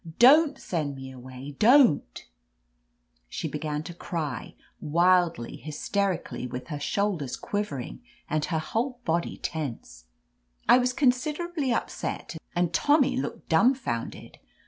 Don't send me away! Don't r' She began to cry, wildly, hysterically, with her shoulders quivering and her whole body tense. I was considerably upset, and Tommy looked dumbfounded.